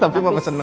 tapi mama seneng ma